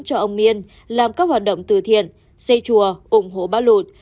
cho ông nguyễn làm các hoạt động thừa thiện xây chùa ủng hộ bá lụt